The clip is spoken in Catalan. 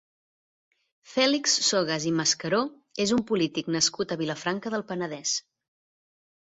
Fèlix Sogas i Mascaró és un polític nascut a Vilafranca del Penedès.